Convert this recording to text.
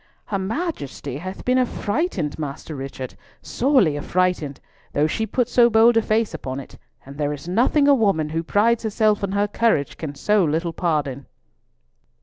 "Her Majesty hath been affrighted, Master Richard, sorely affrighted, though she put so bold a face upon it, and there is nothing a woman, who prides herself on her courage, can so little pardon."